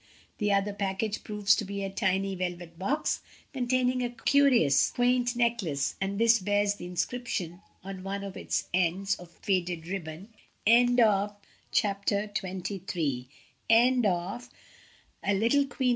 The other package proves to be a tiny velvet box, containing a curious, quaint necklace, and this bears the inscription on one of its ends of faded ribbon, For the Little Queen of Hearts, FROM Madame La Petite Reine.